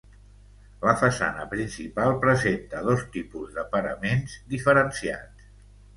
La façana principal presenta dos tipus de paraments diferenciats.